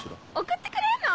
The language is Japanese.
送ってくれるの？